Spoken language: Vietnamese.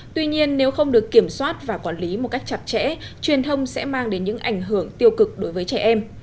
tuy nhiên nếu không được kiểm soát và quản lý một cách chặt chẽ truyền thông sẽ mang đến những ảnh hưởng tiêu cực đối với trẻ em